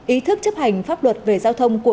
ý thức chấp hành pháp luật về giao thông của